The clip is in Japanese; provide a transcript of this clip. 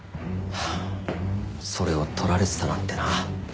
それを撮られてたなんてな。